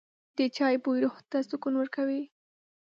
د چای بوی روح ته سکون ورکوي.